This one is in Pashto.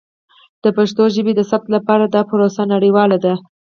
د پښتو ژبې د ثبت لپاره دا پروسه نړیواله ده.